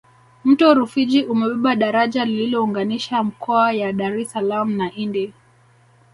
mto rufiji umebeba daraja lilounganisha mkoa ya dar es salaam na indi